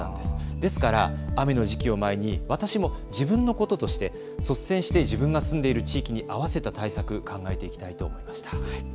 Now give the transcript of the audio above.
ですから、雨の時期を前に私も自分のこととして率先して自分が住んでいる地域に合わせた対策を考えていきたいと思いました。